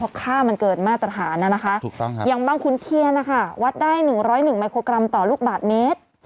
เพราะค่ามันเกินมาตรฐานนะคะอย่างบางขุนเทียนนะคะวัดได้๑๐๑มิโครกรัมต่อลูกบาทเมตร